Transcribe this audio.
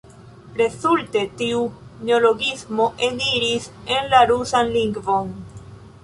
Rezulte, tiu neologismo eniris en la rusan lingvon.